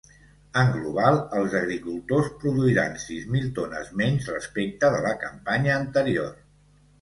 En global, els agricultors produiran sis mil tones menys respecte de la campanya anterior.